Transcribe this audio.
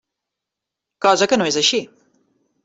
Cosa que no és així.